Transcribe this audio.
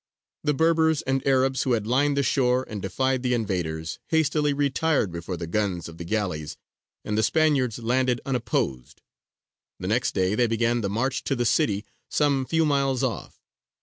The Berbers and Arabs, who had lined the shore and defied the invaders, hastily retired before the guns of the galleys, and the Spaniards landed unopposed. The next day they began the march to the city some few miles off.